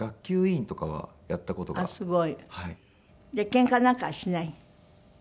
ケンカなんかはしない？